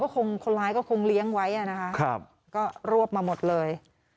คนร้ายก็คงเลี้ยงไว้นะคะก็รวบมาหมดเลย